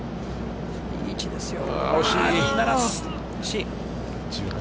いい位置ですよ。